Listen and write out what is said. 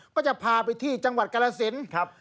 ก็จะพาไปที่จังหวัดกรสินครับ